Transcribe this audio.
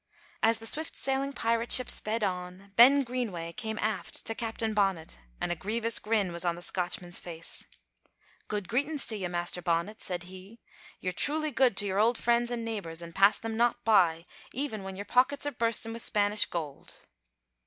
As the swift sailing pirate ship sped on, Ben Greenway came aft to Captain Bonnet, and a grievous grin was on the Scotchman's face. "Good greetin's to ye, Master Bonnet," said he, "ye're truly good to your old friends an' neebours an' pass them not by, even when your pockets are burstin' wi' Spanish gold."